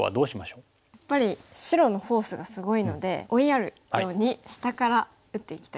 やっぱり白のフォースがすごいので追いやるように下から打っていきたいです。